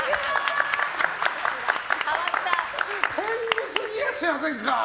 天狗すぎやしませんか！